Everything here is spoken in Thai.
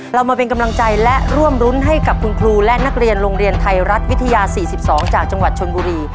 เรามาเป็นกำลังใจและร่วมรุ้นให้กับคุณครูและนักเรียนโรงเรียนไทยรัฐวิทยา๔๒จากจังหวัดชนบุรี